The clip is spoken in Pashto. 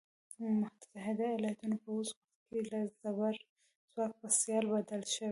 متحده ایالتونه په اوس وخت کې له زبرځواک په سیال بدل شوی.